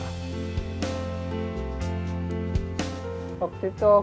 bagaimana cara menghasilkan alam yang terbaik di dalam kehidupan